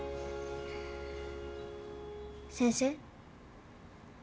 先生。